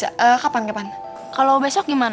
aku gak mau mingskin